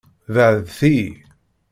Beɛɛdet-iyi.